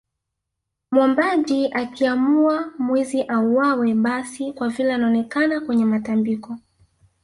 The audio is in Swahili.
Mwombaji akiamua mwizi auawe basi kwa vile anaonekana kwenye matambiko